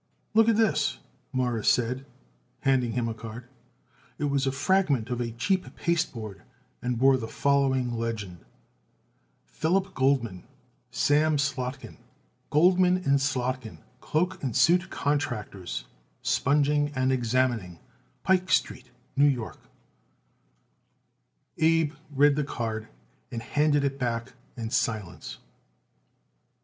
"Look at this," Morris said, handing him a card. It was a fragment of cheap pasteboard and bore the following legend: PHILIP GOLDMAN SAM SLOTKIN GOLDMAN & SLOTKIN CLOAK AND SUIT CONTRACTORS SPONGING AND EXAMINING PIKE STREET NEW YORK Abe read the card and handed it back in silence.